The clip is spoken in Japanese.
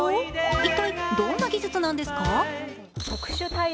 一体どんな技術なんですか？